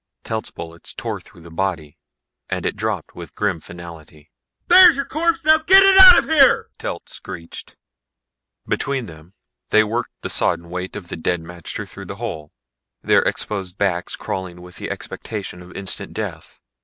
Telt's bullets tore through the body and it dropped with grim finality. "There's your corpse now get it out of here!" Telt screeched. Between them they worked the sodden weight of the dead magter through the hole, their exposed backs crawling with the expectation of instant death.